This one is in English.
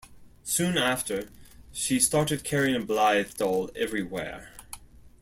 Soon after, she started carrying a Blythe doll everywhere.